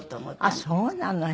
あっそうなの。